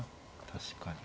確かに。